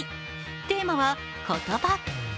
テーマは「言葉」。